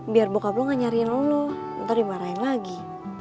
biar bokap lu gak nyariin lu dulu ntar dimarahin lagi